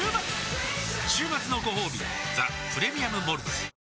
週末のごほうび「ザ・プレミアム・モルツ」